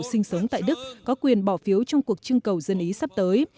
sinh sống tại đức có quyền bỏ phiếu trong cuộc trưng cầu dân ý sắp tới